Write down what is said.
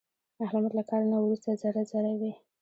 احمد له کار نه ورسته ذره ذره وي.